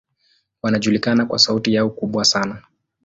Wanajulikana kwa sauti yao kubwa sana.